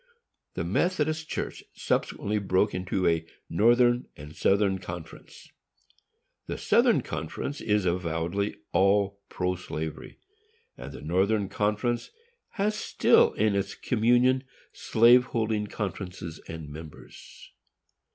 This Methodist Church subsequently broke into a Northern and Southern Conference. The Southern Conference is avowedly all pro slavery, and the Northern Conference has still in its communion slave holding conferences and members.